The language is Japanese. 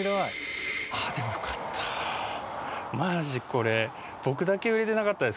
でもよかったー。